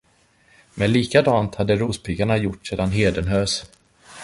Men likadant hade rospiggarna gjort sedan hedenhös.